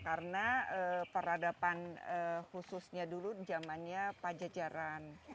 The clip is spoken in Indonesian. karena peradaban khususnya dulu zamannya pajajaran